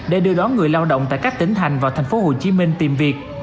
để đưa đón người lao động tại các tỉnh thành vào tp hcm tìm việc